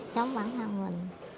chống bản thân mình